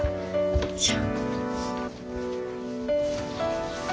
よいしょ。